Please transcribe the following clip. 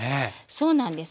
そうなんです。